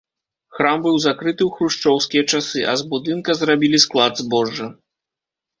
Храм быў закрыты ў хрушчоўскія часы, а з будынка зрабілі склад збожжа.